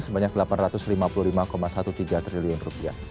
sebanyak rp delapan ratus lima puluh lima tiga belas triliun